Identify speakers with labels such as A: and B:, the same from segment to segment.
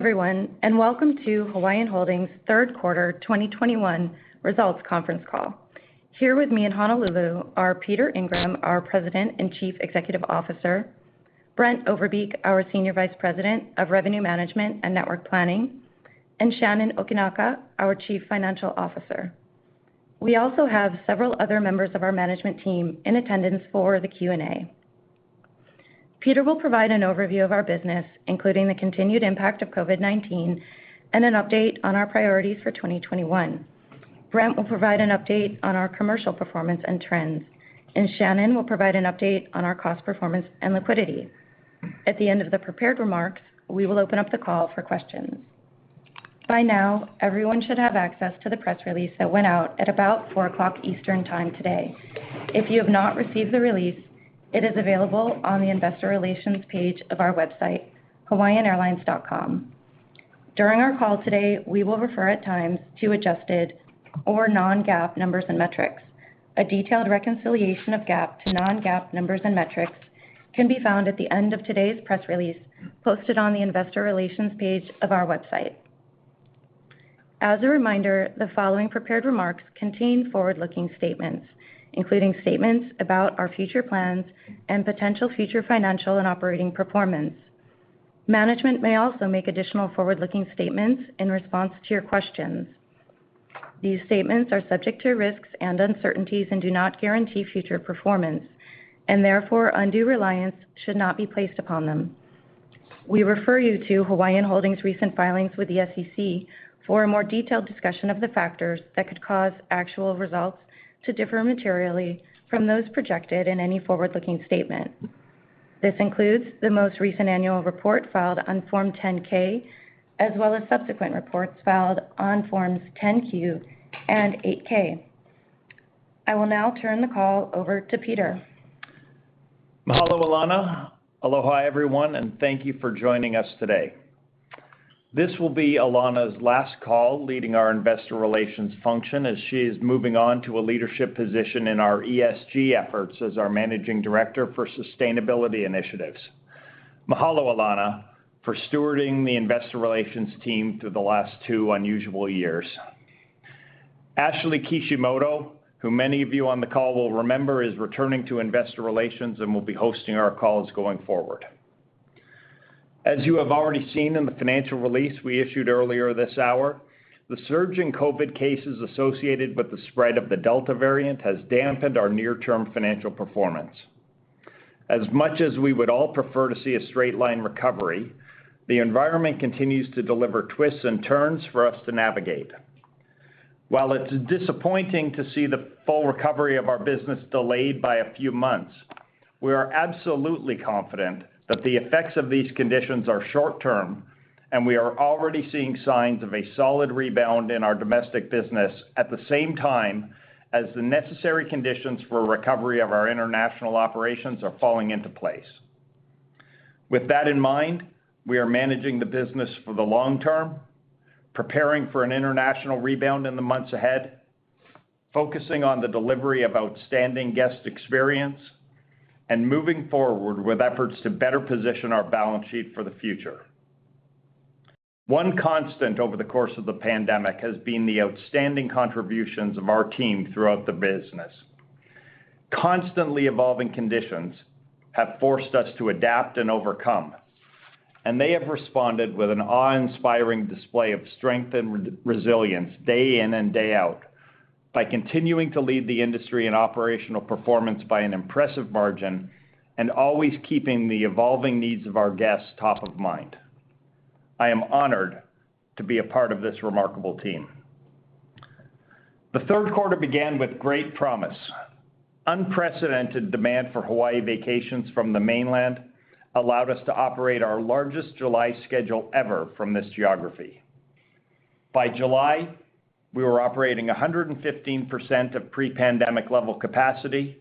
A: Everyone, welcome to Hawaiian Holdings Q3 2021 results conference call. Here with me in Honolulu are Peter Ingram, our President and Chief Executive Officer, Brent Overbeek, our Senior Vice President of Revenue Management and Network Planning, and Shannon Okinaka, our Chief Financial Officer. We also have several other members of our management team in attendance for the Q&A. Peter will provide an overview of our business, including the continued impact of COVID-19 and an update on our priorities for 2021. Brent will provide an update on our commercial performance and trends, and Shannon will provide an update on our cost performance and liquidity. At the end of the prepared remarks, we will open up the call for questions. By now, everyone should have access to the press release that went out at about 4:00 P.M. Eastern Time today. If you have not received the release, it is available on the investor relations page of our website, hawaiianairlines.com. During our call today, we will refer at times to adjusted or non-GAAP numbers and metrics. A detailed reconciliation of GAAP to non-GAAP numbers and metrics can be found at the end of today's press release posted on the investor relations page of our website. As a reminder, the following prepared remarks contain forward-looking statements, including statements about our future plans and potential future financial and operating performance. Management may also make additional forward-looking statements in response to your questions. These statements are subject to risks and uncertainties and do not guarantee future performance, and therefore, undue reliance should not be placed upon them. We refer you to Hawaiian Holdings' recent filings with the SEC for a more detailed discussion of the factors that could cause actual results to differ materially from those projected in any forward-looking statement. This includes the most recent annual report filed on Form 10-K, as well as subsequent reports filed on Forms 10-Q and 8-K. I will now turn the call over to Peter.
B: Mahalo, Alanna. Aloha, everyone, and thank you for joining us today. This will be Alanna's last call leading our investor relations function as she is moving on to a leadership position in our ESG efforts as our Managing Director for Sustainability Initiatives. Mahalo, Alanna, for stewarding the investor relations team through the last two unusual years. Ashlee Kishimoto, who many of you on the call will remember, is returning to investor relations and will be hosting our calls going forward. As you have already seen in the financial release we issued earlier this hour, the surge in COVID cases associated with the spread of the Delta variant has dampened our near-term financial performance. As much as we would all prefer to see a straight-line recovery, the environment continues to deliver twists and turns for us to navigate. While it's disappointing to see the full recovery of our business delayed by a few months, we are absolutely confident that the effects of these conditions are short-term, and we are already seeing signs of a solid rebound in our domestic business at the same time as the necessary conditions for recovery of our international operations are falling into place. With that in mind, we are managing the business for the long term, preparing for an international rebound in the months ahead, focusing on the delivery of outstanding guest experience, and moving forward with efforts to better position our balance sheet for the future. One constant over the course of the pandemic has been the outstanding contributions of our team throughout the business. Constantly evolving conditions have forced us to adapt and overcome, and they have responded with an awe-inspiring display of strength and resilience day in and day out by continuing to lead the industry in operational performance by an impressive margin and always keeping the evolving needs of our guests top of mind. I am honored to be a part of this remarkable team. The third quarter began with great promise. Unprecedented demand for Hawaii vacations from the mainland allowed us to operate our largest July schedule ever from this geography. By July, we were operating 115% of pre-pandemic level capacity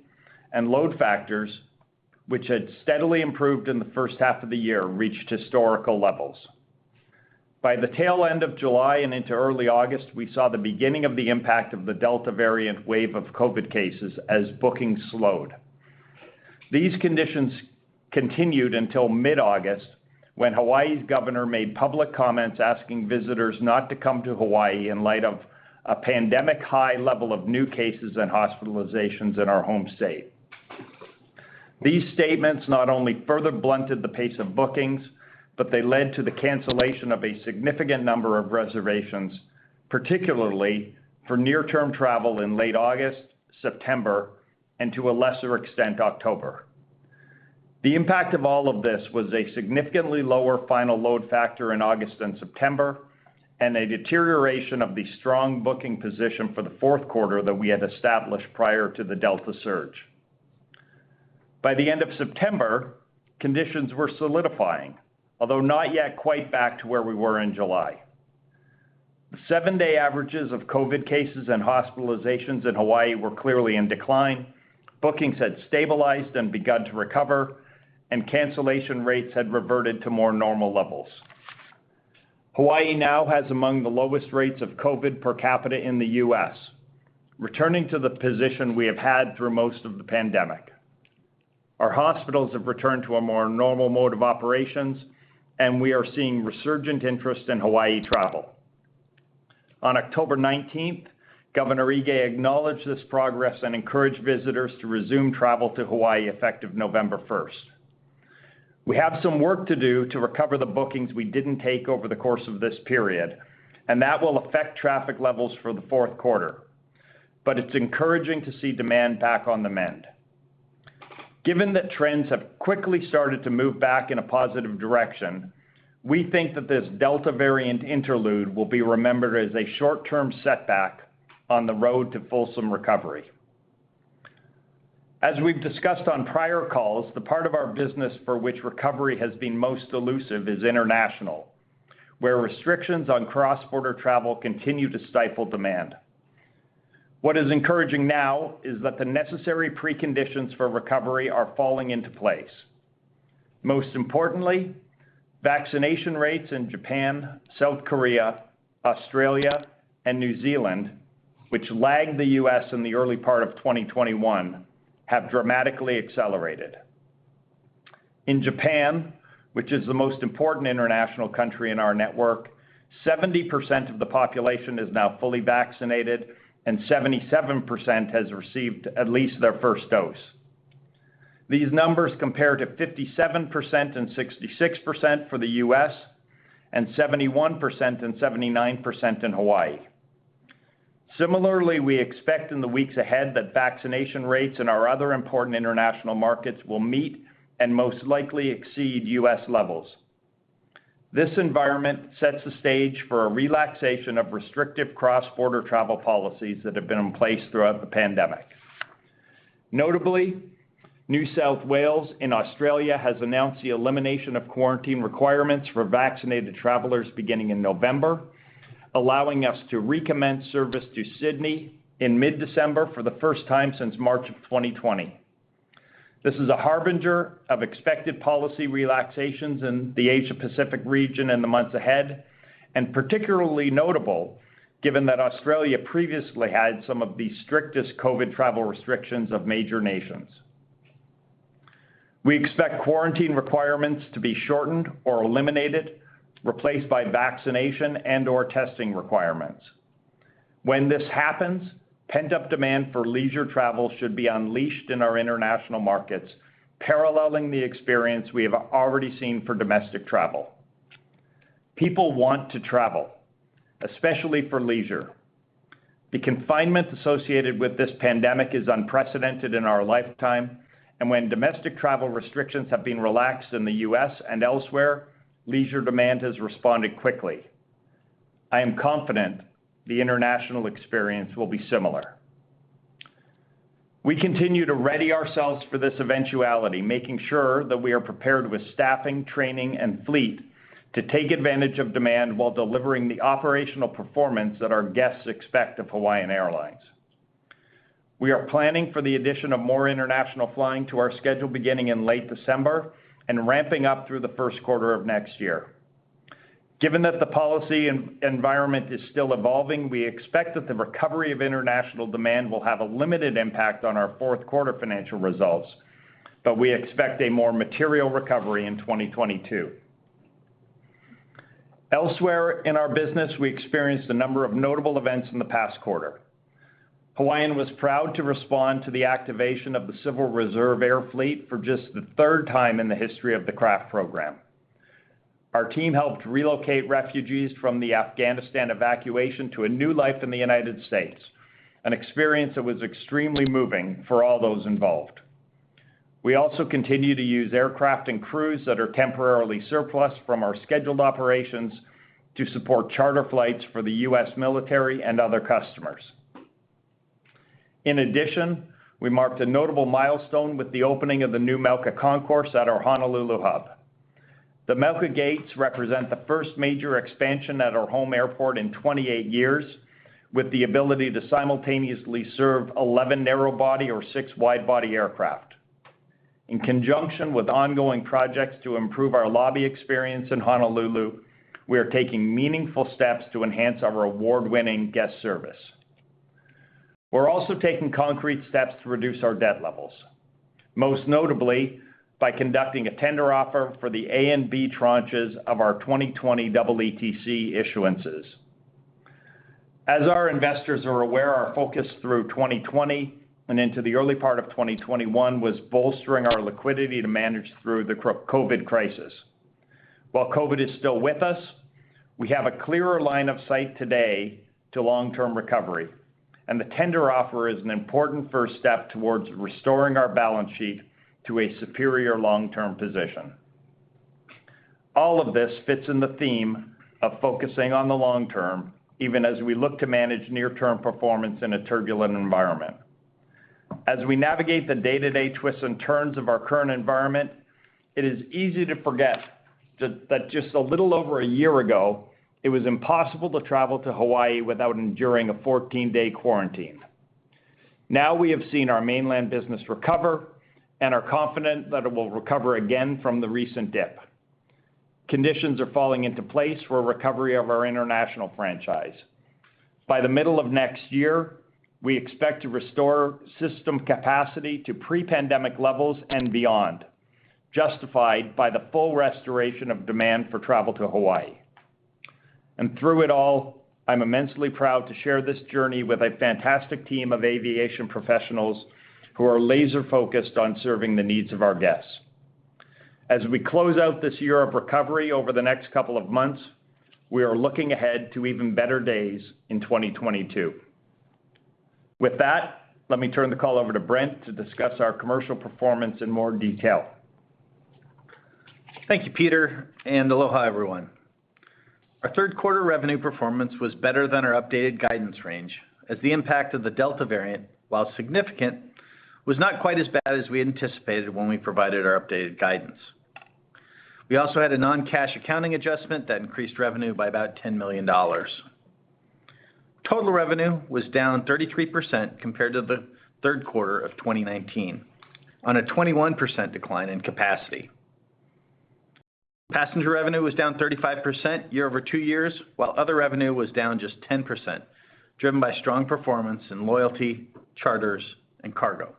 B: and load factors, which had steadily improved in the first half of the year, reached historical levels. By the tail end of July and into early August, we saw the beginning of the impact of the Delta variant wave of COVID cases as bookings slowed. These conditions continued until mid-August, when Hawaii's governor made public comments asking visitors not to come to Hawaii in light of a pandemic high level of new cases and hospitalizations in our home state. These statements not only further blunted the pace of bookings, but they led to the cancellation of a significant number of reservations, particularly for near-term travel in late August, September, and to a lesser extent, October. The impact of all of this was a significantly lower final load factor in August and September, and a deterioration of the strong booking position for the fourth quarter that we had established prior to the Delta surge. By the end of September, conditions were solidifying, although not yet quite back to where we were in July. The seven-day averages of COVID cases and hospitalizations in Hawaii were clearly in decline, bookings had stabilized and begun to recover, and cancellation rates had reverted to more normal levels. Hawaii now has among the lowest rates of COVID per capita in the U.S., returning to the position we have had through most of the pandemic. Our hospitals have returned to a more normal mode of operations, and we are seeing resurgent interest in Hawaii travel. On October 19th, Governor Ige acknowledged this progress and encouraged visitors to resume travel to Hawaii effective November first. We have some work to do to recover the bookings we didn't take over the course of this period, and that will affect traffic levels for the fourth quarter. It's encouraging to see demand back on the mend. Given that trends have quickly started to move back in a positive direction, we think that this Delta variant interlude will be remembered as a short-term setback on the road to fulsome recovery. As we've discussed on prior calls, the part of our business for which recovery has been most elusive is international, where restrictions on cross-border travel continue to stifle demand. What is encouraging now is that the necessary preconditions for recovery are falling into place. Most importantly, vaccination rates in Japan, South Korea, Australia, and New Zealand, which lagged the U.S. in the early part of 2021, have dramatically accelerated. In Japan, which is the most important international country in our network, 70% of the population is now fully vaccinated, and 77% has received at least their first dose. These numbers compare to 57% and 66% for the U.S., and 71% and 79% in Hawaii. Similarly, we expect in the weeks ahead that vaccination rates in our other important international markets will meet and most likely exceed U.S. levels. This environment sets the stage for a relaxation of restrictive cross-border travel policies that have been in place throughout the pandemic. Notably, New South Wales in Australia has announced the elimination of quarantine requirements for vaccinated travelers beginning in November, allowing us to recommence service to Sydney in mid-December for the first time since March of 2020. This is a harbinger of expected policy relaxations in the Asia-Pacific region in the months ahead, and particularly notable given that Australia previously had some of the strictest COVID travel restrictions of major nations. We expect quarantine requirements to be shortened or eliminated, replaced by vaccination and/or testing requirements. When this happens, pent-up demand for leisure travel should be unleashed in our international markets, paralleling the experience we have already seen for domestic travel. People want to travel, especially for leisure. The confinement associated with this pandemic is unprecedented in our lifetime, and when domestic travel restrictions have been relaxed in the U.S. and elsewhere, leisure demand has responded quickly. I am confident the international experience will be similar. We continue to ready ourselves for this eventuality, making sure that we are prepared with staffing, training, and fleet to take advantage of demand while delivering the operational performance that our guests expect of Hawaiian Airlines. We are planning for the addition of more international flying to our schedule beginning in late December and ramping up through the first quarter of next year. Given that the policy environment is still evolving, we expect that the recovery of international demand will have a limited impact on our fourth quarter financial results, but we expect a more material recovery in 2022. Elsewhere in our business, we experienced a number of notable events in the past quarter. Hawaiian was proud to respond to the activation of the Civil Reserve Air Fleet for just the third time in the history of the CRAF program. Our team helped relocate refugees from the Afghanistan evacuation to a new life in the United States, an experience that was extremely moving for all those involved. We also continue to use aircraft and crews that are temporarily surplus from our scheduled operations to support charter flights for the U.S. military and other customers. In addition, we marked a notable milestone with the opening of the new Mauka Concourse at our Honolulu hub. The Mauka gates represent the first major expansion at our home airport in 28 years, with the ability to simultaneously serve 11 narrow body or six wide body aircraft. In conjunction with ongoing projects to improve our lobby experience in Honolulu, we are taking meaningful steps to enhance our award-winning guest service. We're also taking concrete steps to reduce our debt levels, most notably by conducting a tender offer for the A and B tranches of our 2020 double EETC issuances. As our investors are aware, our focus through 2020 and into the early part of 2021 was bolstering our liquidity to manage through the COVID crisis. While COVID is still with us, we have a clearer line of sight today to long-term recovery, and the tender offer is an important first step towards restoring our balance sheet to a superior long-term position. All of this fits in the theme of focusing on the long term, even as we look to manage near-term performance in a turbulent environment. As we navigate the day-to-day twists and turns of our current environment, it is easy to forget that just a little over a year ago, it was impossible to travel to Hawaii without enduring a 14 day quarantine. Now we have seen our mainland business recover and are confident that it will recover again from the recent dip. Conditions are falling into place for a recovery of our international franchise. By the middle of next year, we expect to restore system capacity to pre-pandemic levels and beyond, justified by the full restoration of demand for travel to Hawaii. Through it all, I'm immensely proud to share this journey with a fantastic team of aviation professionals who are laser-focused on serving the needs of our guests. As we close out this year of recovery over the next couple of months, we are looking ahead to even better days in 2022. With that, let me turn the call over to Brent to discuss our commercial performance in more detail.
C: Thank you, Peter, and aloha, everyone. Our third quarter revenue performance was better than our updated guidance range as the impact of the Delta variant, while significant, was not quite as bad as we anticipated when we provided our updated guidance. We also had a non-cash accounting adjustment that increased revenue by about $10 million. Total revenue was down 33% compared to the third quarter of 2019, on a 21% decline in capacity. Passenger revenue was down 35% year-over-year, while other revenue was down just 10%, driven by strong performance in loyalty, charters, and cargo.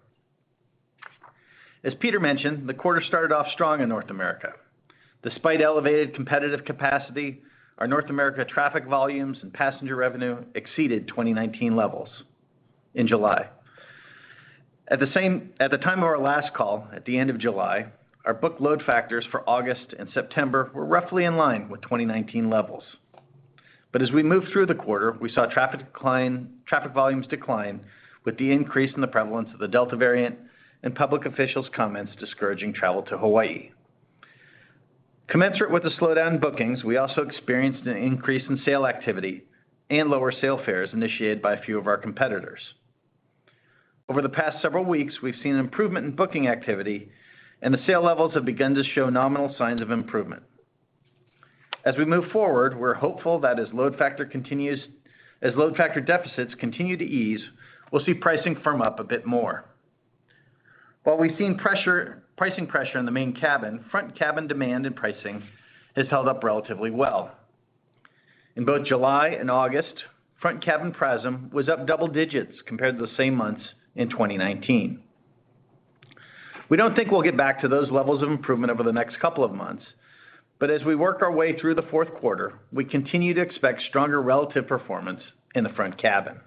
C: As Peter mentioned, the quarter started off strong in North America. Despite elevated competitive capacity, our North America traffic volumes and passenger revenue exceeded 2019 levels in July. At the time of our last call, at the end of July, our booked load factors for August and September were roughly in line with 2019 levels. As we moved through the quarter, we saw traffic volumes decline with the increase in the prevalence of the Delta variant and public officials' comments discouraging travel to Hawaii. Commensurate with the slowdown in bookings, we also experienced an increase in sales activity and lower sales fares initiated by a few of our competitors. Over the past several weeks, we've seen improvement in booking activity, and the sales levels have begun to show nominal signs of improvement. As we move forward, we're hopeful that as load factor deficits continue to ease, we'll see pricing firm up a bit more. While we've seen pricing pressure in the main cabin, front cabin demand and pricing has held up relatively well. In both July and August, front cabin PRASM was up double digits compared to the same months in 2019. We don't think we'll get back to those levels of improvement over the next couple of months, but as we work our way through the fourth quarter, we continue to expect stronger relative performance in the front cabin.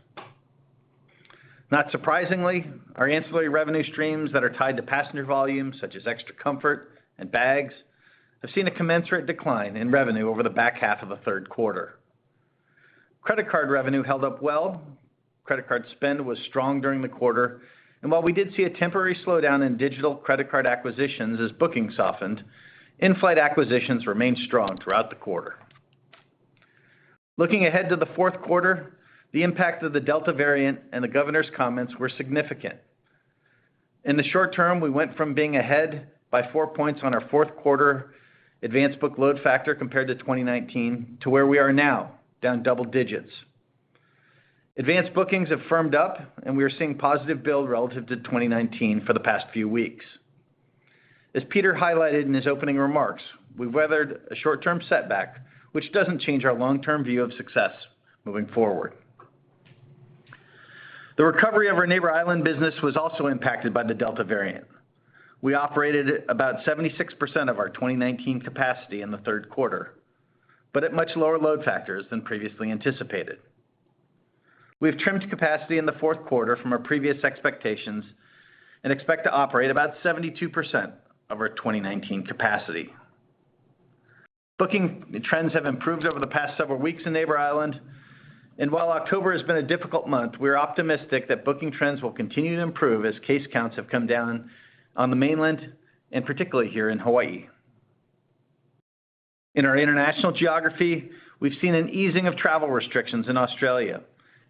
C: Not surprisingly, our ancillary revenue streams that are tied to passenger volumes, such as extra comfort and bags, have seen a commensurate decline in revenue over the back half of the third quarter. Credit card revenue held up well. Credit card spend was strong during the quarter, and while we did see a temporary slowdown in digital credit card acquisitions as bookings softened, in-flight acquisitions remained strong throughout the quarter. Looking ahead to the fourth quarter, the impact of the Delta variant and the governor's comments were significant. In the short term, we went from being ahead by four points on our fourth quarter advanced book load factor compared to 2019 to where we are now, down double-digits. Advanced bookings have firmed up, and we are seeing positive build relative to 2019 for the past few weeks. As Peter highlighted in his opening remarks, we've weathered a short-term setback, which doesn't change our long-term view of success moving forward. The recovery of our Neighbor Island business was also impacted by the Delta variant. We operated about 76% of our 2019 capacity in the third quarter, but at much lower load factors than previously anticipated. We've trimmed capacity in the fourth quarter from our previous expectations and expect to operate about 72% of our 2019 capacity. Booking trends have improved over the past several weeks in Neighbor Island, and while October has been a difficult month, we are optimistic that booking trends will continue to improve as case counts have come down on the mainland and particularly here in Hawaii. In our international geography, we've seen an easing of travel restrictions in Australia,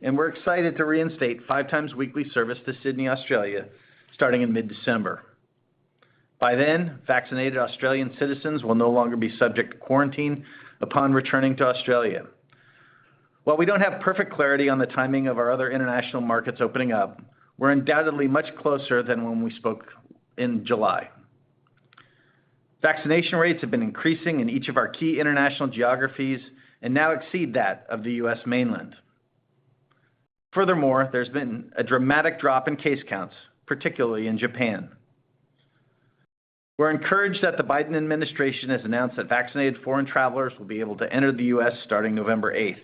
C: and we're excited to reinstate 5x weekly service to Sydney, Australia, starting in mid-December. By then, vaccinated Australian citizens will no longer be subject to quarantine upon returning to Australia. While we don't have perfect clarity on the timing of our other international markets opening up, we're undoubtedly much closer than when we spoke in July. Vaccination rates have been increasing in each of our key international geographies and now exceed that of the U.S. mainland. Furthermore, there's been a dramatic drop in case counts, particularly in Japan. We're encouraged that the Biden administration has announced that vaccinated foreign travelers will be able to enter the U.S. starting November eighth,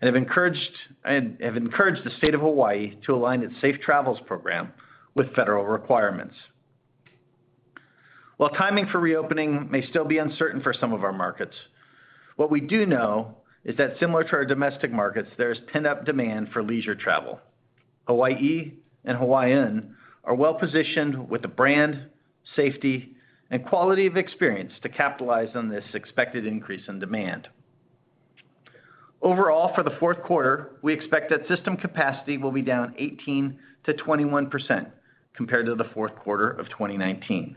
C: and have encouraged the State of Hawaii to align its Safe Travels program with federal requirements. While timing for reopening may still be uncertain for some of our markets, what we do know is that similar to our domestic markets, there is pent-up demand for leisure travel. Hawaii and Hawaiian are well-positioned with the brand, safety, and quality of experience to capitalize on this expected increase in demand. Overall, for the fourth quarter, we expect that system capacity will be down 18%-21% compared to the fourth quarter of 2019,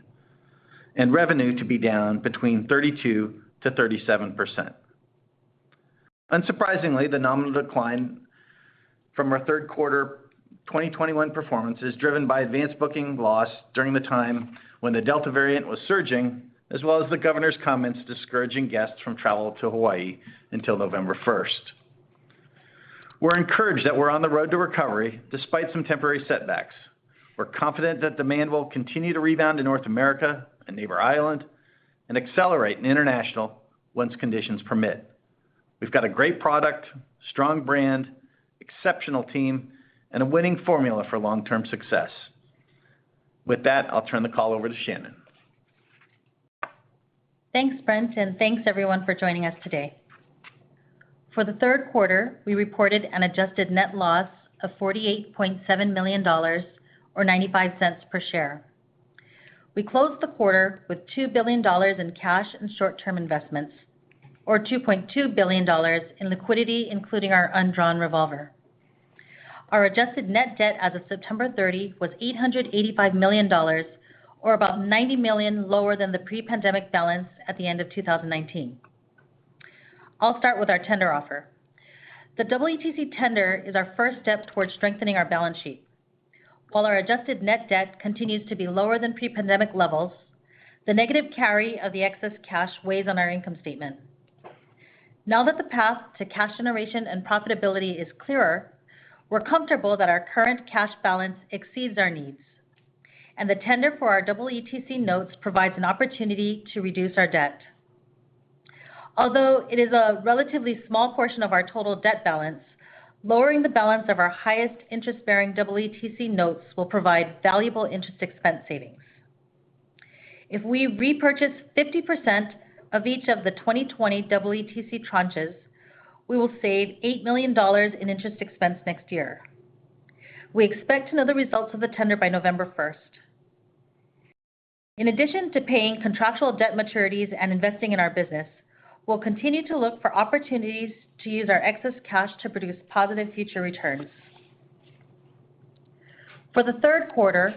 C: and revenue to be down between 32%-37%. Unsurprisingly, the nominal decline from our third quarter 2021 performance is driven by advanced booking loss during the time when the Delta variant was surging, as well as the Governor's comments discouraging guests from travel to Hawaii until November 1st. We're encouraged that we're on the road to recovery despite some temporary setbacks. We're confident that demand will continue to rebound in North America and Neighbor Island and accelerate in international once conditions permit. We've got a great product, strong brand, exceptional team, and a winning formula for long-term success. With that, I'll turn the call over to Shannon.
D: Thanks, Brent, and thanks everyone for joining us today. For the third quarter, we reported an adjusted net loss of $48.7 million or $0.95 per share. We closed the quarter with $2 billion in cash and short-term investments or $2.2 billion in liquidity, including our undrawn revolver. Our adjusted net debt as of September 30 was $885 million, or about $90 million lower than the pre-pandemic balance at the end of 2019. I'll start with our tender offer. The EETC tender is our first step towards strengthening our balance sheet. While our adjusted net debt continues to be lower than pre-pandemic levels, the negative carry of the excess cash weighs on our income statement. Now that the path to cash generation and profitability is clearer, we're comfortable that our current cash balance exceeds our needs, and the tender for our EETC notes provides an opportunity to reduce our debt. Although it is a relatively small portion of our total debt balance, lowering the balance of our highest interest-bearing EETC notes will provide valuable interest expense savings. If we repurchase 50% of each of the 2020 EETC tranches, we will save $8 million in interest expense next year. We expect to know the results of the tender by November 1st. In addition to paying contractual debt maturities and investing in our business, we'll continue to look for opportunities to use our excess cash to produce positive future returns. For the third quarter,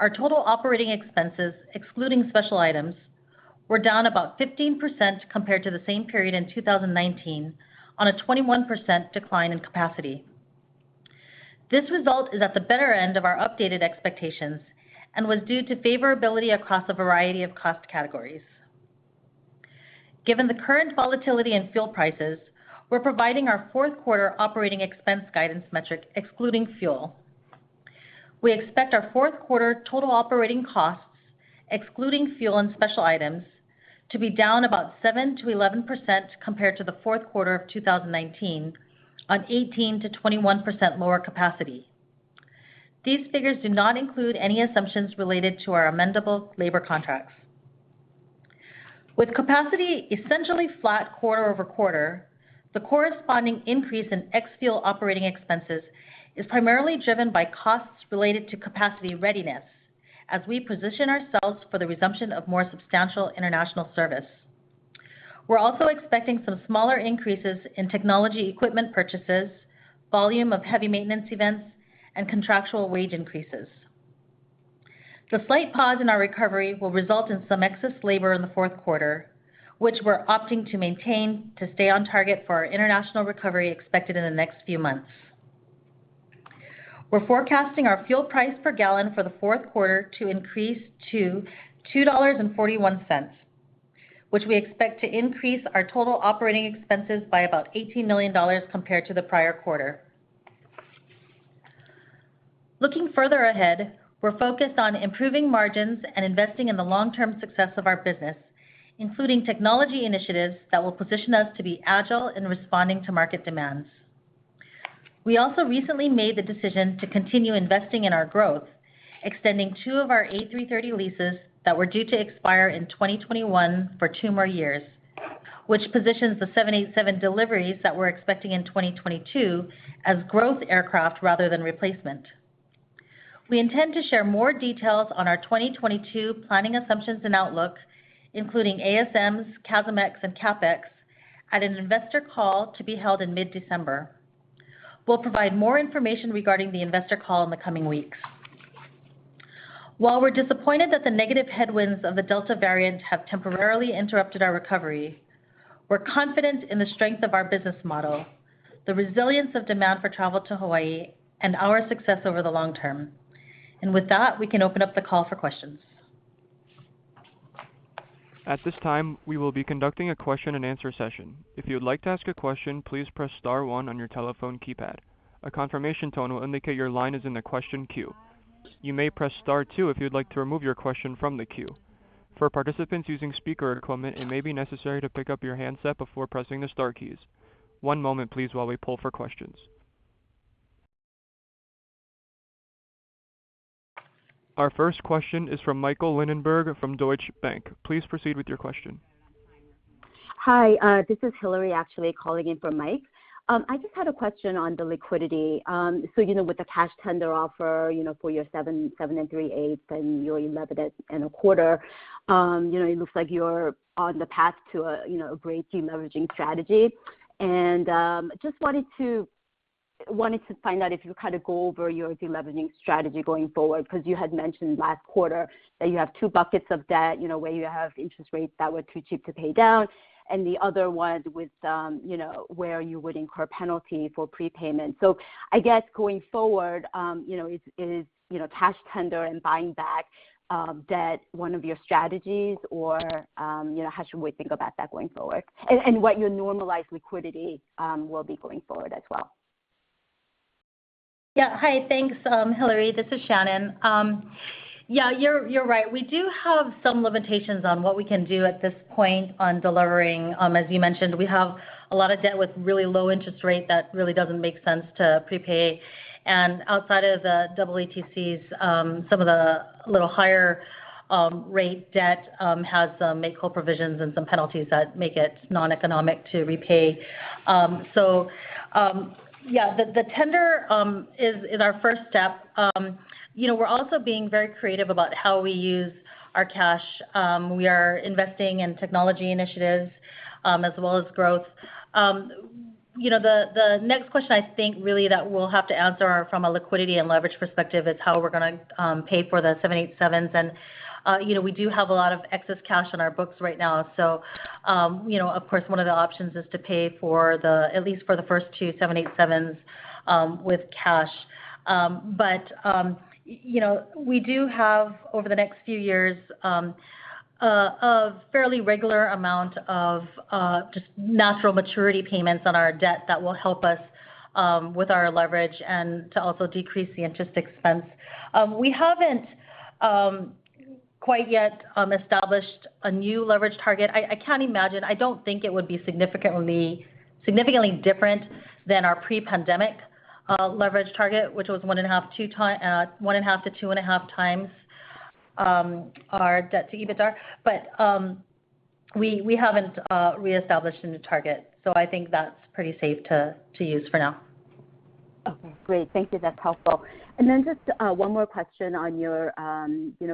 D: our total operating expenses excluding special items were down about 15% compared to the same period in 2019 on a 21% decline in capacity. This result is at the better end of our updated expectations and was due to favorability across a variety of cost categories. Given the current volatility in fuel prices, we're providing our fourth quarter operating expense guidance metric excluding fuel. We expect our fourth quarter total operating costs, excluding fuel and special items, to be down about 7%-11% compared to the fourth quarter of 2019 on 18%-21% lower capacity. These figures do not include any assumptions related to our amendable labor contracts. With capacity essentially flat quarter over quarter, the corresponding increase in ex-fuel operating expenses is primarily driven by costs related to capacity readiness as we position ourselves for the resumption of more substantial international service. We're also expecting some smaller increases in technology equipment purchases, volume of heavy maintenance events, and contractual wage increases. The slight pause in our recovery will result in some excess labor in the fourth quarter, which we're opting to maintain to stay on target for our international recovery expected in the next few months. We're forecasting our fuel price per gallon for the fourth quarter to increase to $2.41, which we expect to increase our total operating expenses by about $18 million compared to the prior quarter. Looking further ahead, we're focused on improving margins and investing in the long-term success of our business, including technology initiatives that will position us to be agile in responding to market demands. We also recently made the decision to continue investing in our growth, extending two of our A330 leases that were due to expire in 2021 for two more years, which positions the 787 deliveries that we're expecting in 2022 as growth aircraft rather than replacement. We intend to share more details on our 2022 planning assumptions and outlook, including ASMs, CASM ex and CapEx, at an investor call to be held in mid-December. We'll provide more information regarding the investor call in the coming weeks. While we're disappointed that the negative headwinds of the Delta variant have temporarily interrupted our recovery, we're confident in the strength of our business model, the resilience of demand for travel to Hawaii, and our success over the long term. With that, we can open up the call for questions.
E: At this time, we will be conducting a question-and-answer session. If you would like to ask a question, please press star one on your telephone keypad. A confirmation tone will indicate your line is in the question queue. You may press star two if you'd like to remove your question from the queue. For participants using speaker equipment, it may be necessary to pick up your handset before pressing the star keys. One moment please while we pull for questions. Our first question is from Michael Linenberg from Deutsche Bank. Please proceed with your question.
F: Hi, this is Hillary actually calling in for Mike. I just had a question on the liquidity. So, you know, with the cash tender offer, you know, for your 7.375% and your 11.25%, you know, it looks like you're on the path to a, you know, a great deleveraging strategy. Just wanted to Wanted to find out if you kind of go over your de-leveraging strategy going forward, because you had mentioned last quarter that you have two buckets of debt, you know, where you have interest rates that were too cheap to pay down, and the other one with, you know, where you would incur penalty for prepayment. I guess going forward, you know, is cash tender and buying back debt one of your strategies or, you know, how should we think about that going forward? And what your normalized liquidity will be going forward as well.
D: Hi. Thanks, Hillary. This is Shannon. Yeah, you're right. We do have some limitations on what we can do at this point on delivering. As you mentioned, we have a lot of debt with really low interest rate that really doesn't make sense to prepay. Outside of the double EETCs, some of the little higher rate debt has some make-whole provisions and some penalties that make it non-economic to repay. Yeah, the tender is our first step. You know, we're also being very creative about how we use our cash. We are investing in technology initiatives as well as growth. You know, the next question I think really that we'll have to answer from a liquidity and leverage perspective is how we're gonna pay for the 787s. You know, we do have a lot of excess cash on our books right now. You know, of course, one of the options is to pay for at least for the first two 787s with cash. You know, we do have over the next few years a fairly regular amount of just natural maturity payments on our debt that will help us with our leverage and to also decrease the interest expense. We haven't quite yet established a new leverage target. I can't imagine. I don't think it would be significantly different than our pre-pandemic leverage target, which was 1.5-2.5x our debt to EBITDA. We haven't reestablished a new target, so I think that's pretty safe to use for now.
F: Okay, great. Thank you. That's helpful. Just one more question on your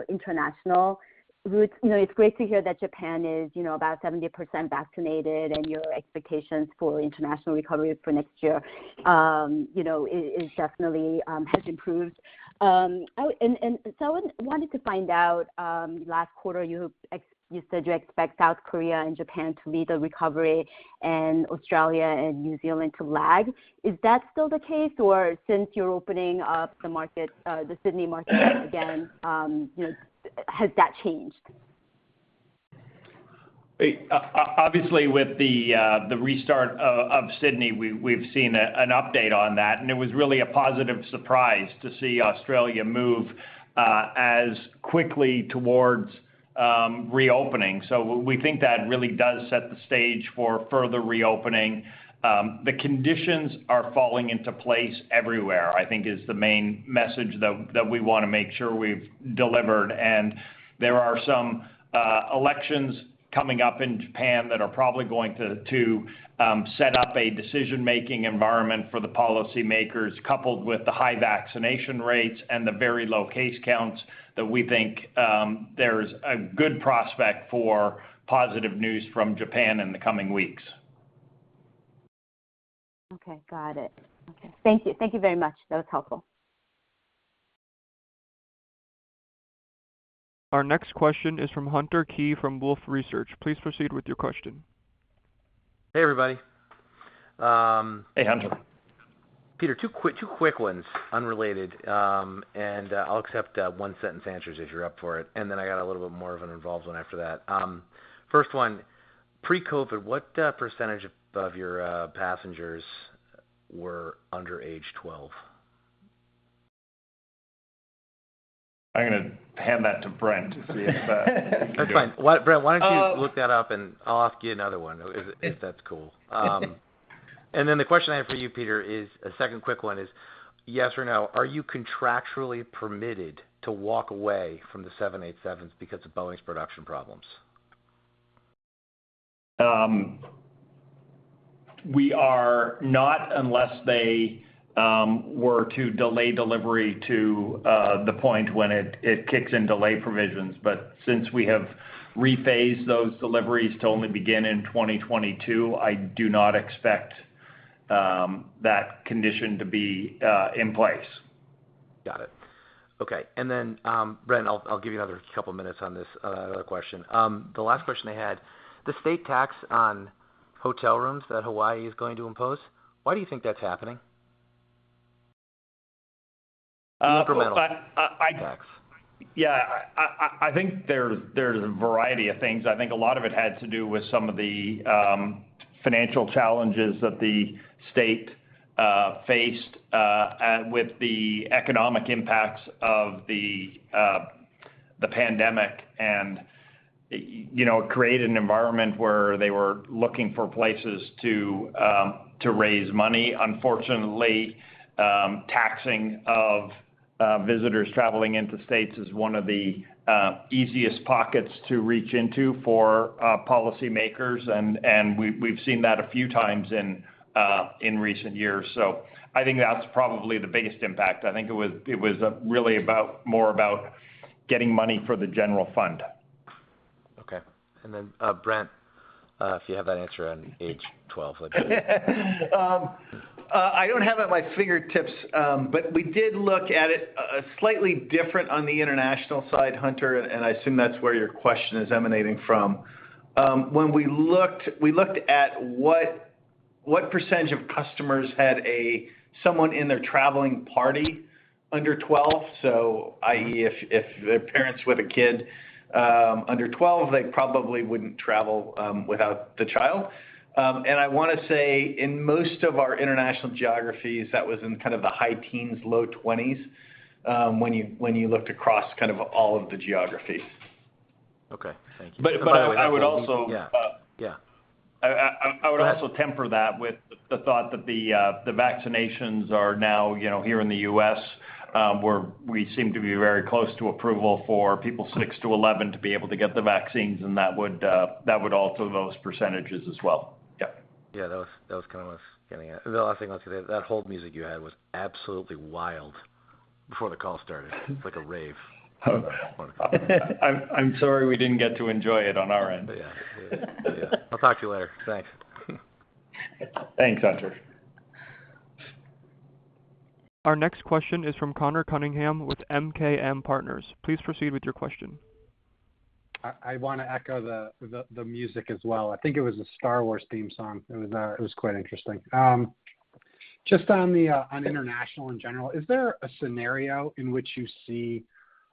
F: international routes. You know, it's great to hear that Japan is you know, about 70% vaccinated and your expectations for international recovery for next year you know, is definitely improved. I wanted to find out, last quarter you said you expect South Korea and Japan to lead the recovery and Australia and New Zealand to lag. Is that still the case or since you're opening up the market, the Sydney market again, you know, has that changed?
B: Obviously with the restart of Sydney, we've seen an update on that, and it was really a positive surprise to see Australia move as quickly towards reopening. We think that really does set the stage for further reopening. The conditions are falling into place everywhere, I think is the main message that we wanna make sure we've delivered. There are some elections coming up in Japan that are probably going to set up a decision-making environment for the policymakers, coupled with the high vaccination rates and the very low case counts that we think there's a good prospect for positive news from Japan in the coming weeks.
F: Okay. Got it. Okay. Thank you. Thank you very much. That was helpful.
E: Our next question is from Hunter Keay from Wolfe Research. Please proceed with your question.
G: Hey, everybody.
B: Hey, Hunter.
G: Peter, two quick ones, unrelated. I'll accept one-sentence answers if you're up for it. I got a little bit more of an involved one after that. First one, pre-COVID, what percentage of your passengers were under age 12?
B: I'm gonna hand that to Brent to see if he can do it.
G: That's fine. Why, Brent, why don't you look that up and I'll ask you another one if that's cool. And then the question I have for you, Peter, is a second quick one, yes or no, are you contractually permitted to walk away from the 787s because of Boeing's production problems?
B: We are not unless they were to delay delivery to the point when it kicks in delay provisions. Since we have rephased those deliveries to only begin in 2022, I do not expect that condition to be in place.
G: Got it. Okay. Then, Brent, I'll give you another couple minutes on this other question. The last question I had, the state tax on hotel rooms that Hawaii is going to impose, why do you think that's happening? Incremental income tax.
B: I think there's a variety of things. I think a lot of it had to do with some of the financial challenges that the state faced with the economic impacts of the pandemic, and you know, it created an environment where they were looking for places to raise money. Unfortunately, taxing of visitors traveling into states is one of the easiest pockets to reach into for policymakers. We've seen that a few times in recent years. I think that's probably the biggest impact. I think it was really more about getting money for the general fund.
G: Okay. Brent, if you have that answer on page 12, that'd be great.
C: I don't have it at my fingertips, but we did look at it slightly different on the international side, Hunter, and I assume that's where your question is emanating from. When we looked at what percentage of customers had someone in their traveling party under 12, so i.e., if they're parents with a kid under 12, they probably wouldn't travel without the child. I wanna say in most of our international geographies, that was in kind of the high teens, low twenties, when you looked across kind of all of the geographies.
G: Okay. Thank you.
B: I would also.
G: Yeah. Yeah.
B: I would also temper that with the thought that the vaccinations are now, you know, here in the U.S., we seem to be very close to approval for people 6-11 to be able to get the vaccines, and that would alter those percentages as well. Yeah.
G: That was kind of what I was getting at. The last thing I'll say, that hold music you had was absolutely wild before the call started. It's like a rave.
B: I'm sorry we didn't get to enjoy it on our end.
G: I'll talk to you later. Thanks.
B: Thanks, Hunter.
E: Our next question is from Conor Cunningham with MKM Partners. Please proceed with your question.
H: I wanna echo the music as well. I think it was a Star Wars theme song. It was quite interesting. Just on the international in general, is there a scenario in which you see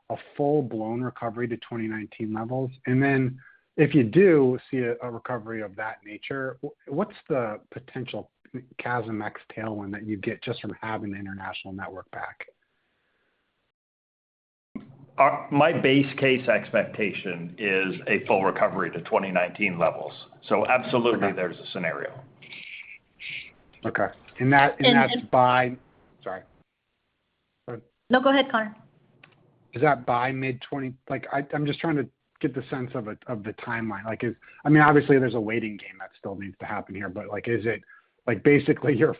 H: a full-blown recovery to 2019 levels? Then if you do see a recovery of that nature, what's the potential CASM-ex tailwind that you get just from having the international network back?
B: My base case expectation is a full recovery to 2019 levels. Absolutely there's a scenario.
H: Okay.
D: And, and-
H: Sorry.
D: No, go ahead, Connor.
H: Is that by mid-2020? Like, I'm just trying to get the sense of the timeline. Like, is, I mean, obviously there's a waiting game that still needs to happen here, but, like, is it, like, basically you're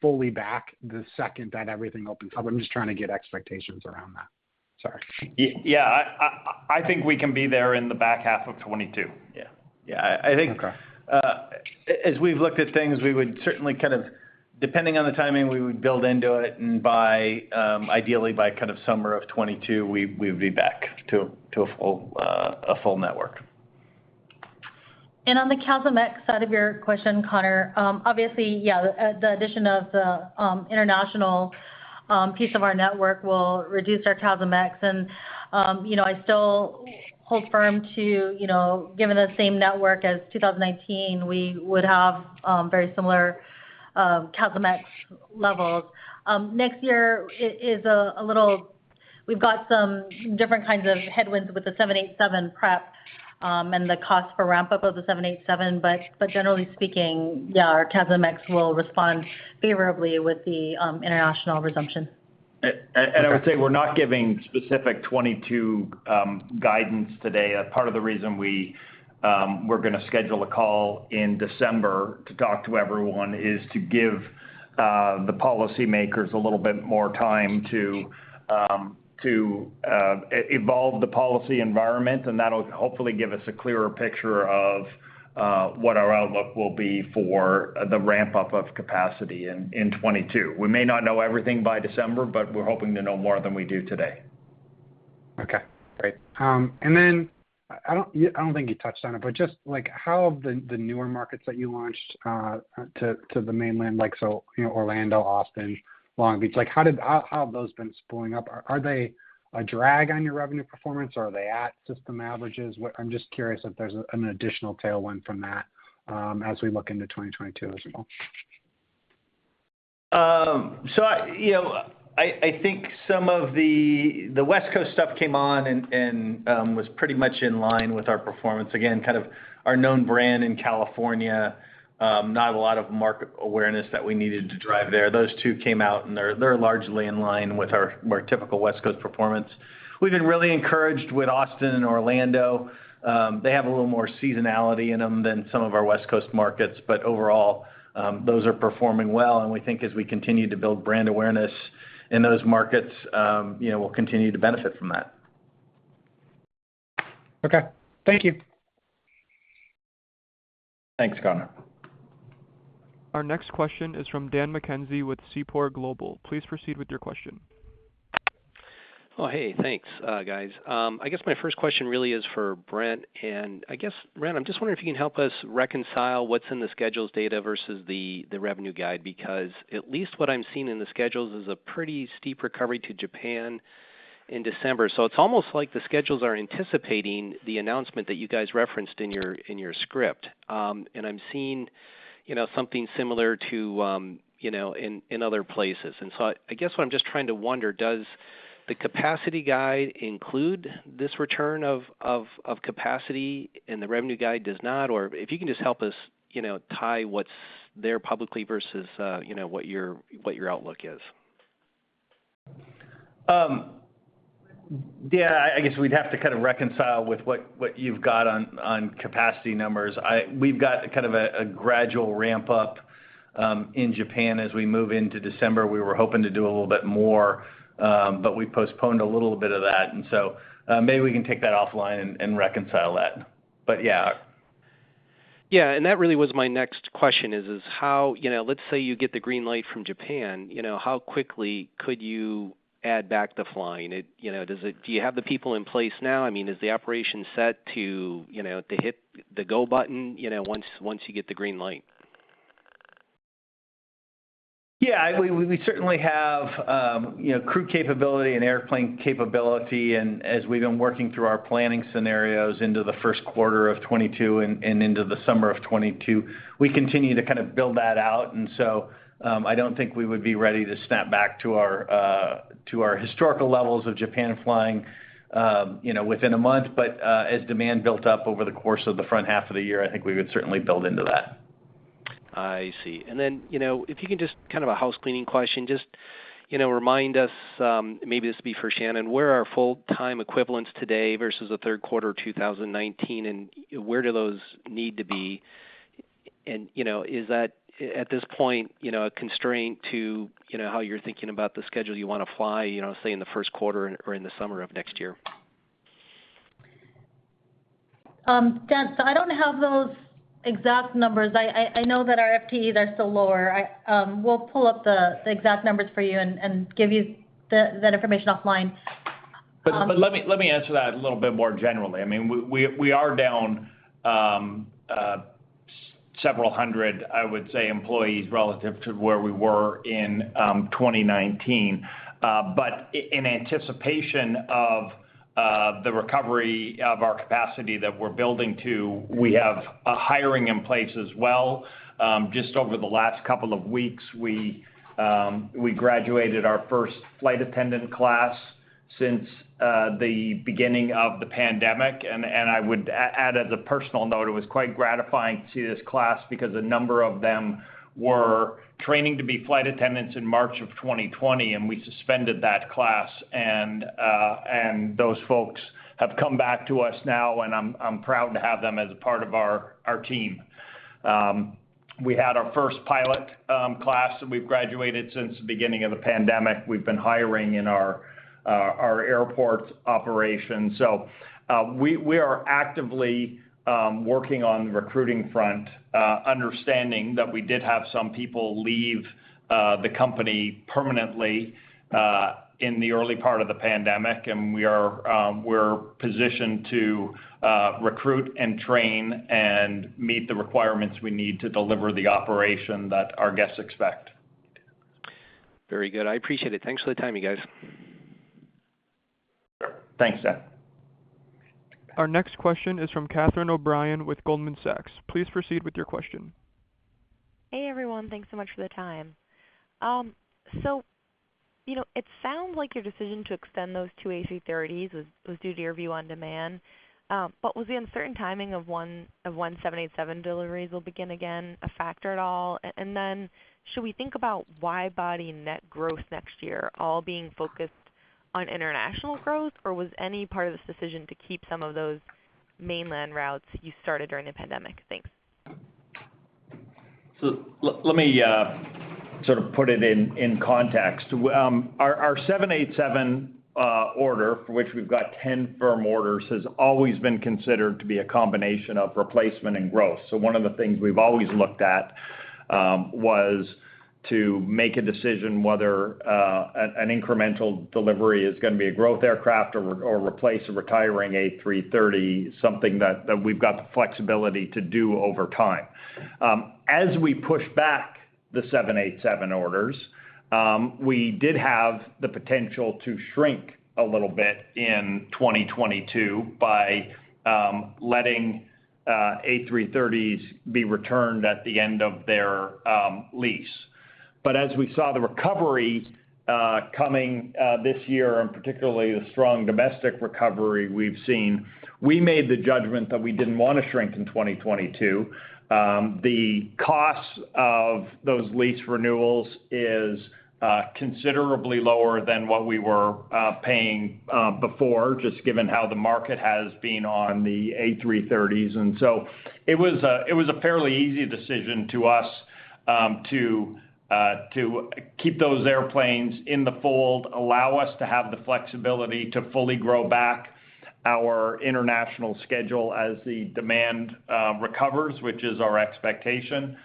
H: fully back the second that everything opens up? I'm just trying to get expectations around that. Sorry.
B: I think we can be there in the back half of 2022.
H: Yeah.
B: I think.
H: Okay
B: As we've looked at things, we would certainly kind of, depending on the timing, we would build into it and by, ideally by kind of summer of 2022 we'd be back to a full network.
D: On the CASM-ex side of your question, Connor, obviously, yeah, the addition of the international piece of our network will reduce our CASM-ex and, you know, I still hold firm to, you know, given the same network as 2019, we would have very similar CASM-ex levels. Next year is a little different. We've got some different kinds of headwinds with the 787 prep and the cost for ramp-up of the 787, but generally speaking, yeah, our CASM-ex will respond favorably with the international resumption.
H: Okay.
B: I would say we're not giving specific 2022 guidance today. Part of the reason we're gonna schedule a call in December to talk to everyone is to give the policymakers a little bit more time to evolve the policy environment, and that'll hopefully give us a clearer picture of what our outlook will be for the ramp-up of capacity in 2022. We may not know everything by December, but we're hoping to know more than we do today.
H: Okay. Great. I don't think you touched on it, but just, like, how have the newer markets that you launched to the mainland, like, so, you know, Orlando, Austin, Long Beach, like, how have those been spooling up? Are they a drag on your revenue performance or are they at system averages? I'm just curious if there's an additional tailwind from that, as we look into 2022 as well.
C: I think some of the West Coast stuff came on and was pretty much in line with our performance. Again, kind of our known brand in California, not a lot of market awareness that we needed to drive there. Those two came out, and they're largely in line with our more typical West Coast performance. We've been really encouraged with Austin and Orlando. They have a little more seasonality in them than some of our West Coast markets, but overall, those are performing well, and we think as we continue to build brand awareness in those markets, you know, we'll continue to benefit from that.
H: Okay. Thank you.
C: Thanks, Connor.
E: Our next question is from Dan McKenzie with Seaport Global. Please proceed with your question.
I: Hey. Thanks, guys. I guess my first question really is for Brent, and I guess, Brent, I'm just wondering if you can help us reconcile what's in the schedules data versus the revenue guide, because at least what I'm seeing in the schedules is a pretty steep recovery to Japan in December. It's almost like the schedules are anticipating the announcement that you guys referenced in your script. I'm seeing, you know, something similar to, you know, in other places. I guess what I'm just trying to wonder, does the capacity guide include this return of capacity and the revenue guide does not? Or if you can just help us, you know, tie what's there publicly versus, you know, what your outlook is.
C: Yeah. I guess we'd have to kind of reconcile with what you've got on capacity numbers. We've got kind of a gradual ramp-up in Japan as we move into December. We were hoping to do a little bit more, but we postponed a little bit of that. Maybe we can take that offline and reconcile that. Yeah.
I: Yeah. That really was my next question is how, you know, let's say you get the green light from Japan, you know, how quickly could you add back the flying? You know, do you have the people in place now? I mean, is the operation set to, you know, to hit the go button, you know, once you get the green light?
C: Yeah. We certainly have you know, crew capability and airplane capability. As we've been working through our planning scenarios into the first quarter of 2022 and into the summer of 2022, we continue to kind of build that out. I don't think we would be ready to snap back to our historical levels of Japan flying you know, within a month. As demand built up over the course of the front half of the year, I think we would certainly build into that.
I: I see. Then you know, if you can just kind of a housecleaning question, just you know, remind us, maybe this would be for Shannon, where are our full-time equivalents today versus the third quarter of 2019, and where do those need to be? You know, is that at this point you know, a constraint to you know, how you're thinking about the schedule you wanna fly you know, say in the first quarter or in the summer of next year?
D: Dan, I don't have those exact numbers. I know that our FTE, they're still lower. We'll pull up the exact numbers for you and give you that information offline.
B: Let me answer that a little bit more generally. I mean, we are down several hundred, I would say, employees relative to where we were in 2019. In anticipation of the recovery of our capacity that we're building to, we have a hiring in place as well. Just over the last couple of weeks, we graduated our first flight attendant class since the beginning of the pandemic. I would add as a personal note, it was quite gratifying to see this class because a number of them were training to be flight attendants in March of 2020, and we suspended that class. Those folks have come back to us now, and I'm proud to have them as a part of our team. We had our first pilot class that we've graduated since the beginning of the pandemic. We've been hiring in our airport operations. We are actively working on the recruiting front, understanding that we did have some people leave the company permanently in the early part of the pandemic. We're positioned to recruit and train and meet the requirements we need to deliver the operation that our guests expect.
I: Very good. I appreciate it. Thanks for the time, you guys.
B: Thanks, Dan.
E: Our next question is from Catherine O'Brien with Goldman Sachs. Please proceed with your question.
J: Hey, everyone. Thanks so much for the time. So, you know, it sounds like your decision to extend those 2 A330s was due to your view on demand. But was the uncertain timing of 787 deliveries beginning again a factor at all? And then should we think about wide-body net growth next year all being focused on international growth, or was any part of this decision to keep some of those mainland routes you started during the pandemic? Thanks.
B: Let me sort of put it in context. Our 787 order for which we've got 10 firm orders has always been considered to be a combination of replacement and growth. One of the things we've always looked at was to make a decision whether an incremental delivery is gonna be a growth aircraft or replace a retiring A330, something that we've got the flexibility to do over time. As we push back the 787 orders, we did have the potential to shrink a little bit in 2022 by letting A330s be returned at the end of their lease. As we saw the recovery coming this year, and particularly the strong domestic recovery we've seen, we made the judgment that we didn't wanna shrink in 2022. The costs of those lease renewals is considerably lower than what we were paying before, just given how the market has been on the A330s. It was a fairly easy decision to us to keep those airplanes in the fold, allow us to have the flexibility to fully grow back our international schedule as the demand recovers, which is our expectation.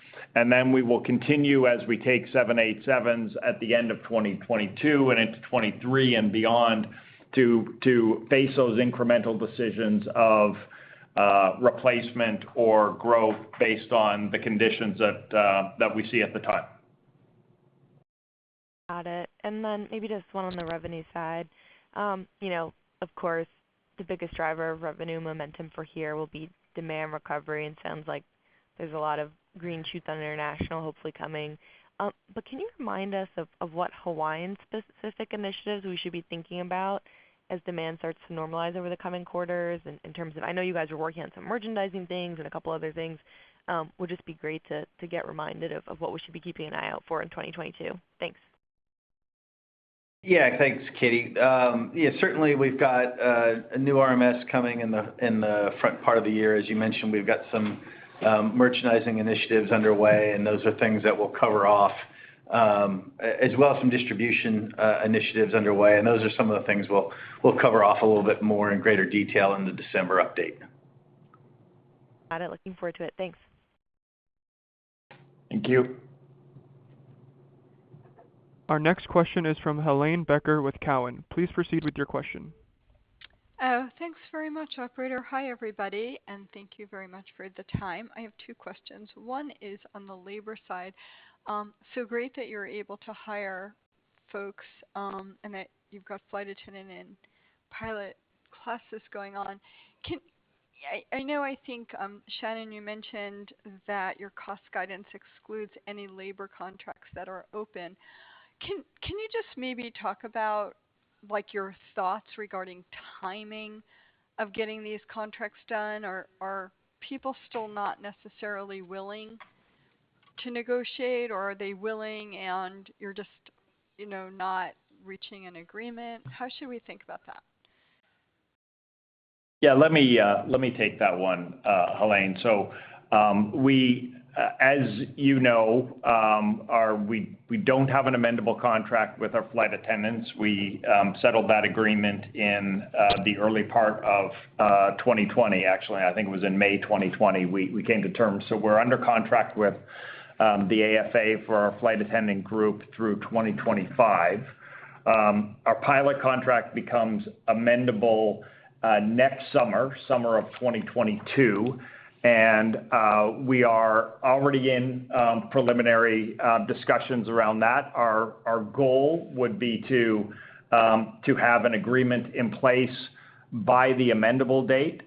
B: We will continue as we take 787s at the end of 2022 and into 2023 and beyond to face those incremental decisions of replacement or growth based on the conditions that we see at the time.
J: Got it. Maybe just one on the revenue side. You know, of course, the biggest driver of revenue momentum for here will be demand recovery, and it sounds like there's a lot of green shoots on international hopefully coming. Can you remind us of what Hawaiian specific initiatives we should be thinking about as demand starts to normalize over the coming quarters in terms of. I know you guys are working on some merchandising things and a couple other things. Would just be great to get reminded of what we should be keeping an eye out for in 2022. Thanks.
C: Thanks, Catie. Yeah, certainly we've got a new RMS coming in the front part of the year. As you mentioned, we've got some merchandising initiatives underway, and those are things that we'll cover off, as well as some distribution initiatives underway. Those are some of the things we'll cover off a little bit more in greater detail in the December update.
J: Got it. Looking forward to it. Thanks.
B: Thank you.
E: Our next question is from Helane Becker with Cowen. Please proceed with your question.
K: Thanks very much, operator. Hi, everybody, and thank you very much for the time. I have two questions. One is on the labor side. Great that you're able to hire folks, and that you've got flight attendant and pilot classes going on. I know, I think, Shannon, you mentioned that your cost guidance excludes any labor contracts that are open. Can you just maybe talk about, like, your thoughts regarding timing of getting these contracts done? Are people still not necessarily willing to negotiate, or are they willing and you're just, you know, not reaching an agreement? How should we think about that?
B: Let me take that one, Helane. As you know, we don't have an amendable contract with our flight attendants. We settled that agreement in the early part of 2020, actually. I think it was in May 2020, we came to terms. We're under contract with the AFA for our flight attendant group through 2025. Our pilot contract becomes amendable next summer of 2022, and we are already in preliminary discussions around that. Our goal would be to have an agreement in place by the amendable date.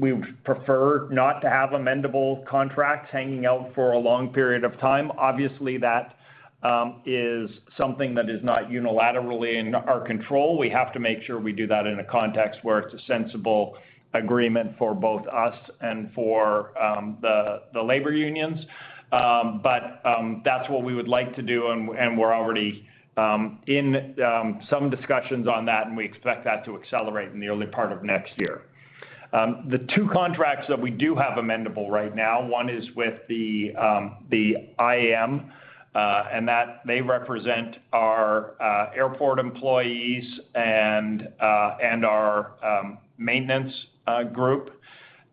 B: We would prefer not to have amendable contracts hanging out for a long period of time. Obviously, that is something that is not unilaterally in our control. We have to make sure we do that in a context where it's a sensible agreement for both us and for the labor unions. That's what we would like to do, and we're already in some discussions on that, and we expect that to accelerate in the early part of next year. The two contracts that we do have amendable right now, one is with the IAM, and that they represent our airport employees and our maintenance group.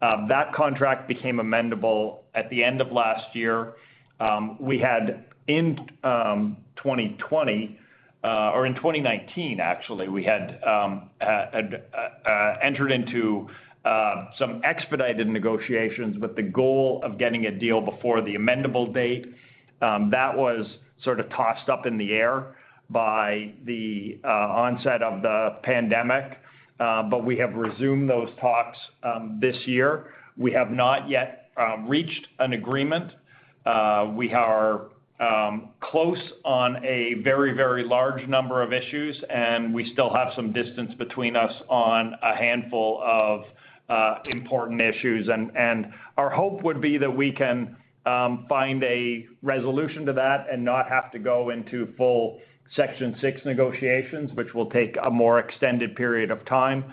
B: That contract became amendable at the end of last year. We had in 2020 or in 2019, actually, we had entered into some expedited negotiations with the goal of getting a deal before the amendable date. That was sort of tossed up in the air by the onset of the pandemic, but we have resumed those talks this year. We have not yet reached an agreement. We are close on a very, very large number of issues, and we still have some distance between us on a handful of important issues. Our hope would be that we can find a resolution to that and not have to go into full Section Six negotiations, which will take a more extended period of time.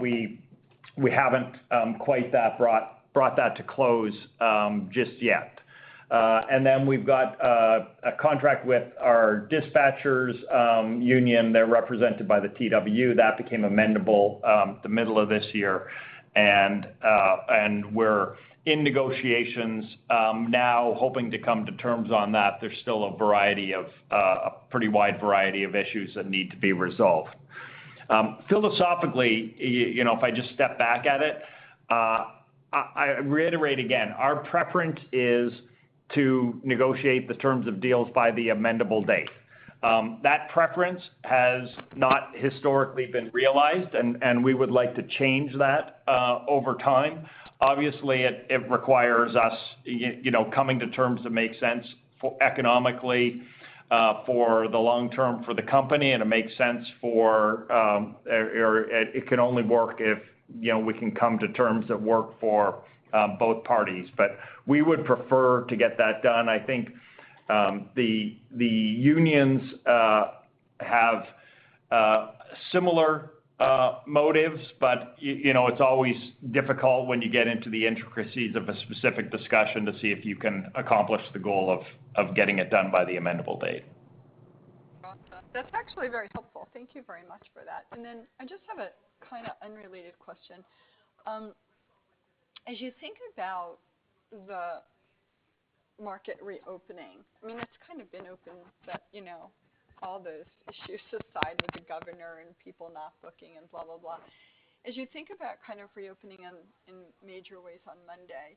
B: We haven't quite brought that to close just yet. Then we've got a contract with our dispatchers union. They're represented by the TWU. That became amendable, the middle of this year, and we're in negotiations, now hoping to come to terms on that. There's still a variety of, a pretty wide variety of issues that need to be resolved. Philosophically, you know, if I just step back and look at it, I reiterate again, our preference is to negotiate the terms of deals by the amendable date. That preference has not historically been realized, and we would like to change that, over time. Obviously, it requires us, you know, coming to terms that make sense economically, for the long term for the company, and it makes sense for, or it can only work if, you know, we can come to terms that work for, both parties. We would prefer to get that done. I think the unions have similar motives, but you know, it's always difficult when you get into the intricacies of a specific discussion to see if you can accomplish the goal of getting it done by the amendable date.
K: Got that. That's actually very helpful. Thank you very much for that. I just have a kind of unrelated question. As you think about the market reopening, I mean, it's kind of been open, but, you know, all those issues aside with the governor and people not booking and blah, blah. As you think about kind of reopening on, in major ways on Monday,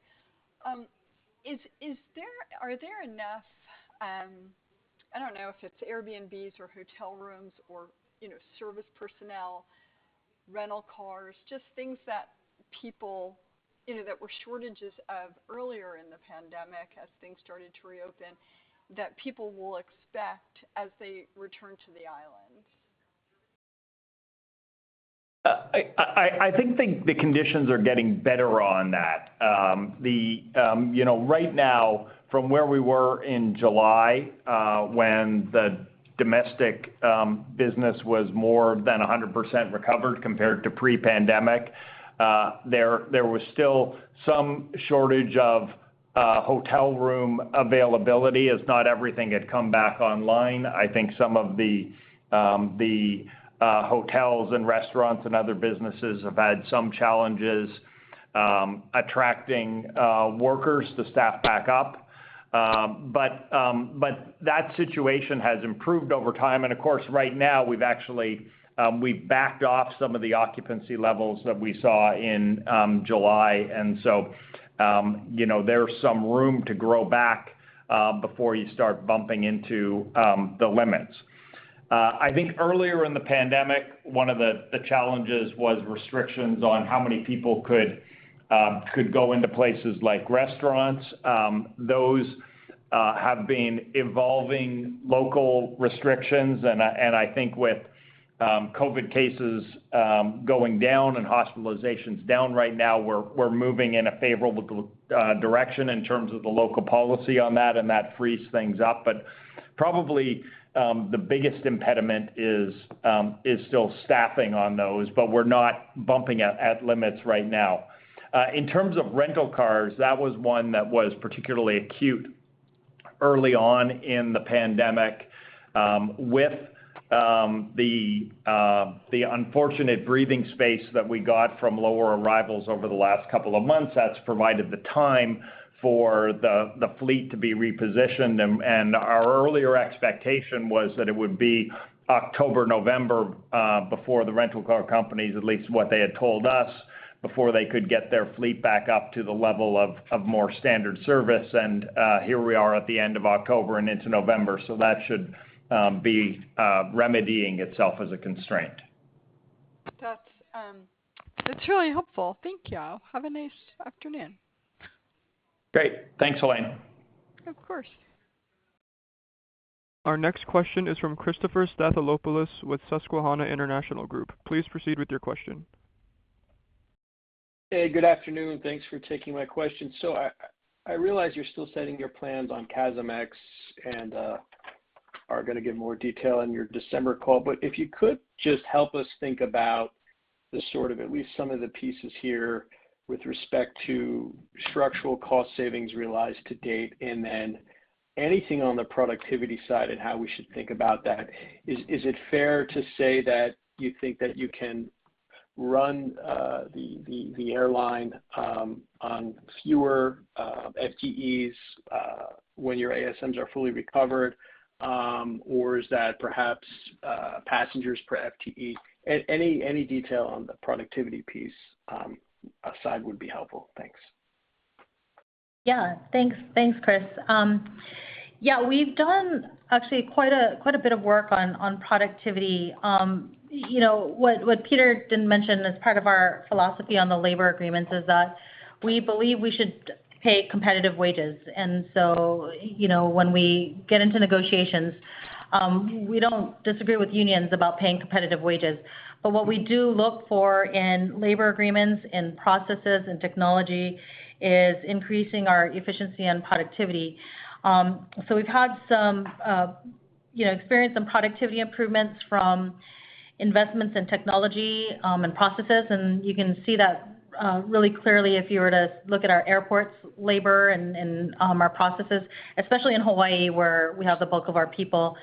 K: is there are there enough, I don't know if it's Airbnbs or hotel rooms or, you know, service personnel, rental cars, just things that people, you know, that were shortages of earlier in the pandemic as things started to reopen, that people will expect as they return to the island?
B: I think the conditions are getting better on that. You know, right now, from where we were in July, when the domestic business was more than 100% recovered compared to pre-pandemic. There was still some shortage of hotel room availability as not everything had come back online. I think some of the hotels and restaurants and other businesses have had some challenges attracting workers to staff back up. That situation has improved over time. Of course, right now we've actually backed off some of the occupancy levels that we saw in July. You know, there's some room to grow back before you start bumping into the limits. I think earlier in the pandemic, one of the challenges was restrictions on how many people could go into places like restaurants. Those have been evolving, local restrictions and I think with COVID cases going down and hospitalizations down right now, we're moving in a favorable direction in terms of the local policy on that, and that frees things up. Probably the biggest impediment is still staffing on those, but we're not bumping at limits right now. In terms of rental cars, that was one that was particularly acute early on in the pandemic. With the unfortunate breathing space that we got from lower arrivals over the last couple of months, that's provided the time for the fleet to be repositioned. Our earlier expectation was that it would be October, November, before the rental car companies, at least what they had told us, before they could get their fleet back up to the level of more standard service. Here we are at the end of October and into November, so that should be remedying itself as a constraint.
K: That's really helpful. Thank y'all. Have a nice afternoon.
B: Great. Thanks, Helane.
K: Of course.
E: Our next question is from Christopher Stathoulopoulos with Susquehanna International Group. Please proceed with your question.
L: Hey, good afternoon. Thanks for taking my question. I realize you're still setting your plans on CASM-ex and are gonna give more detail in your December call. If you could just help us think about the sort of at least some of the pieces here with respect to structural cost savings realized to date, and then anything on the productivity side and how we should think about that. Is it fair to say that you think that you can run the airline on fewer FTEs when your ASMs are fully recovered? Or is that perhaps passengers per FTE? Any detail on the productivity piece side would be helpful. Thanks.
D: Thanks. Thanks, Chris. Yeah, we've done actually quite a bit of work on productivity. You know, what Peter didn't mention as part of our philosophy on the labor agreements is that we believe we should pay competitive wages. You know, when we get into negotiations, we don't disagree with unions about paying competitive wages. What we do look for in labor agreements and processes and technology is increasing our efficiency and productivity. We've had some, you know, experienced some productivity improvements from investments in technology, and processes, and you can see that really clearly if you were to look at our airports labor and our processes, especially in Hawaii, where we have the bulk of our people.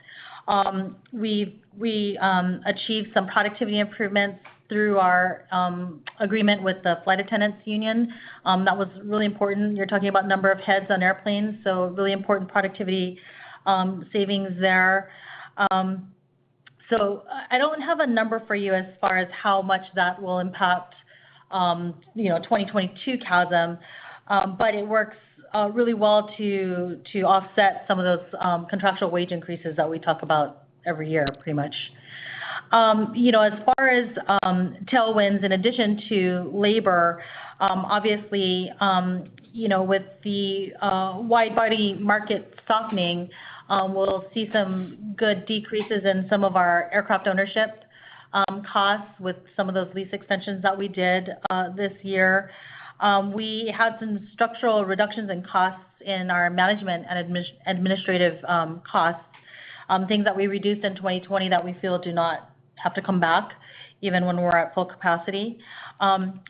D: We've achieved some productivity improvements through our agreement with the flight attendants union. That was really important. You're talking about number of heads on airplanes, so really important productivity savings there. I don't have a number for you as far as how much that will impact, you know, 2022 CASM, but it works really well to offset some of those contractual wage increases that we talk about every year, pretty much. You know, as far as tailwinds in addition to labor, obviously, you know, with the wide body market softening, we'll see some good decreases in some of our aircraft ownership costs with some of those lease extensions that we did this year. We had some structural reductions in costs in our management and administrative costs, things that we reduced in 2020 that we feel do not have to come back even when we're at full capacity.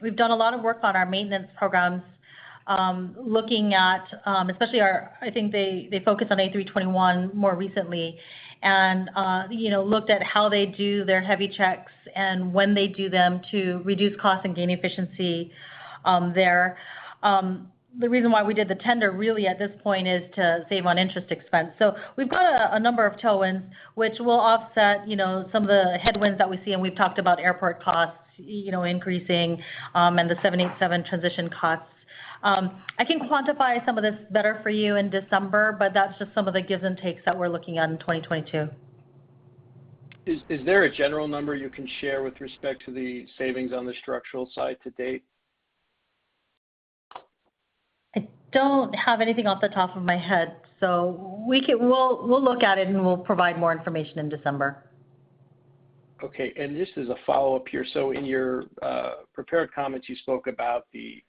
D: We've done a lot of work on our maintenance programs, looking at, especially our—I think they focused on A321 more recently and, you know, looked at how they do their heavy checks and when they do them to reduce costs and gain efficiency there. The reason why we did the tender really at this point is to save on interest expense. We've got a number of tailwinds which will offset, you know, some of the headwinds that we see, and we've talked about airport costs, you know, increasing, and the 787 transition costs. I can quantify some of this better for you in December, but that's just some of the gives and takes that we're looking at in 2022.
L: Is there a general number you can share with respect to the savings on the structural side to date?
D: I don't have anything off the top of my head, so we'll look at it, and we'll provide more information in December.
L: This is a follow-up here. In your prepared comments, you spoke about the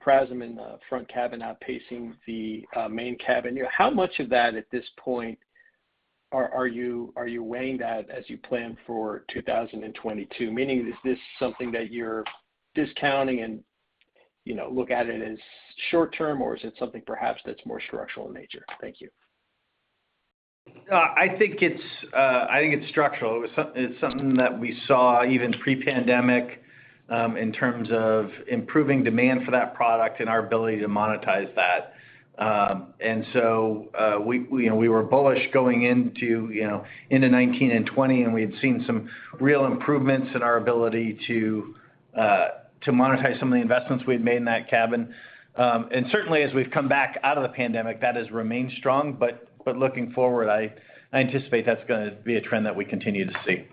L: PRASM in the front cabin outpacing the main cabin. How much of that at this point are you weighing that as you plan for 2022? Meaning, is this something that you're discounting and, you know, look at it as short term, or is it something perhaps that's more structural in nature? Thank you.
C: I think it's structural. It's something that we saw even pre-pandemic in terms of improving demand for that product and our ability to monetize that. You know, we were bullish going into, you know, 2019 and 2020, and we had seen some real improvements in our ability to monetize some of the investments we had made in that cabin. Certainly as we've come back out of the pandemic, that has remained strong. But looking forward, I anticipate that's gonna be a trend that we continue to see.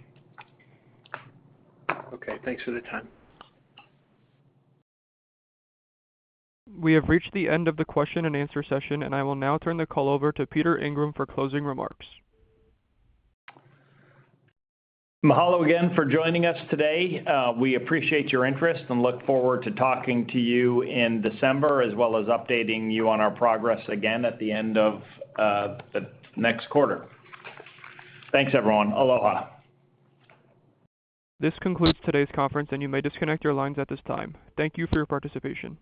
L: Okay. Thanks for the time.
E: We have reached the end of the question and answer session, and I will now turn the call over to Peter Ingram for closing remarks.
B: Mahalo again for joining us today. We appreciate your interest and look forward to talking to you in December, as well as updating you on our progress again at the end of the next quarter. Thanks, everyone. Aloha.
E: This concludes today's conference, and you may disconnect your lines at this time. Thank you for your participation.